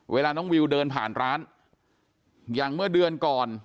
เวลาน้องวิวเดินผ่านร้านอย่างเมื่อเดือนก่อน